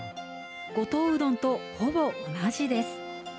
五島うどんとほぼ同じです。